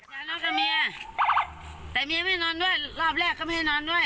นอนกับเมียแต่เมียไม่นอนด้วยรอบแรกก็ไม่ให้นอนด้วย